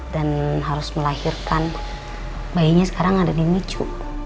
dan harus melahirkan bayinya sekarang ada di micu